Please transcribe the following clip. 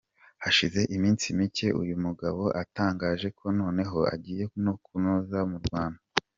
Hashize iminsi mike uyu mugabo atangaje ko noneho agiye no kuza mu Rwanda.